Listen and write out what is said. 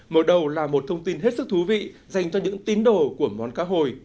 mở đầu là một thông tin hết sức thú vị dành cho những tín đồ của món cá hồi